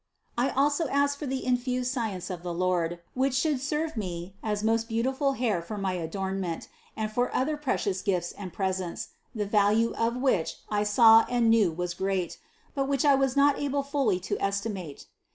I also asked for the infused science of the Lord, which should serve me as most beautiful hair for my adornment and for other precious gifts and presents, the value of which I saw and knew was great, but which I was not able fully to esti mate.